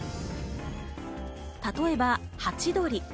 例えばハチドリ。